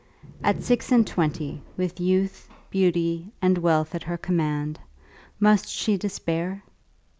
At six and twenty, with youth, beauty, and wealth at her command, must she despair?